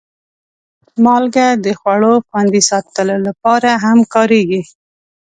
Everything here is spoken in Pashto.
مالګه د خوړو خوندي ساتلو لپاره هم کارېږي.